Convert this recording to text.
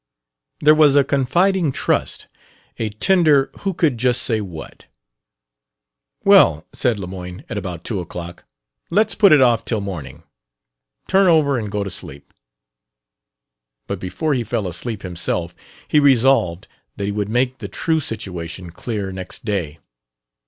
There was a confiding trust, a tender who could say just what?... "Well," said Lemoyne, at about two o'clock, "let's put it off till morning. Turn over and go to sleep." But before he fell asleep himself he resolved that he would make the true situation clear next day.